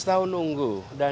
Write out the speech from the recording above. tujuh belas tahun menunggu